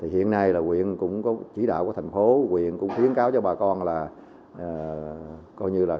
hiện nay huyện cũng có chỉ đạo của thành phố huyện cũng khuyến cáo cho bà con là